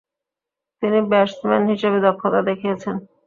তিনি ব্যাটসম্যান হিসেবে দক্ষতা দেখিয়েছেন।